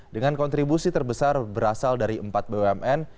dengan kontribusi terbesar berasal dari empat bumn